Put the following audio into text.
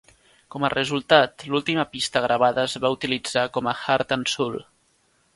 Com a resultat, l'última pista gravada es va utilitzar com a "Heart and Soul".